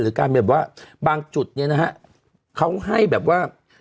การแบบว่าบางจุดเนี่ยนะฮะเขาให้แบบว่า